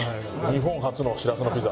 日本初のしらすのピザ。